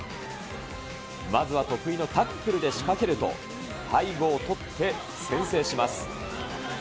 まずは得意のタックルで仕掛けると、背後を取って先制します。